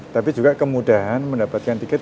tapi juga kemudahan mendapatkan tiket